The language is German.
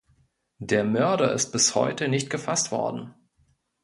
Der Mörder ist bis heute nicht gefasst worden.